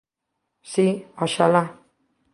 Si, oxalá!